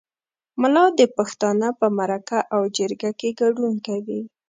ملا د پښتانه په مرکه او جرګه کې ګډون کوي.